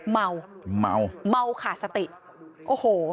เมาเมาขาดสติโอ้โฮ